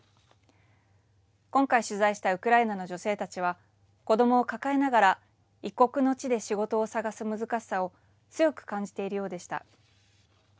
今回取材したウクライナの女性たちは子どもを抱えながら異国の地で仕事を探す難しさを強く感じているようでした。